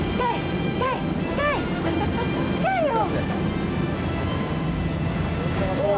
近いよ。